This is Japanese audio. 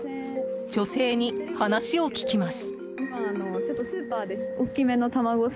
女性に話を聞きます。